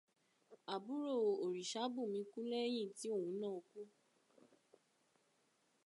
Àbúrò òrìṣàbùnmi kú lẹ́yìn tí òun náà kú.